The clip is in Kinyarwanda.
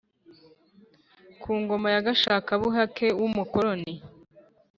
ku ngoma ya gashakabuhake w’umukoroni.